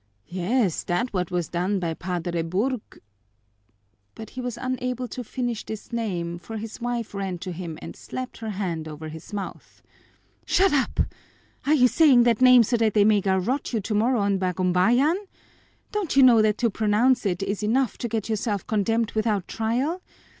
"Yes, that's what was done by Padre Burg " But he was unable to finish this name, for his wife ran to him and slapped her hand over his mouth. "Shut up! Are you saying that name so that they may garrote you tomorrow on Bagumbayan? Don't you know that to pronounce it is enough to get yourself condemned without trial?